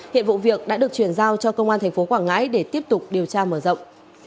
hiện vụ việc đã được chuyển giao cho công an thành phố quảng ngãi để tiếp tục điều tra mở rộng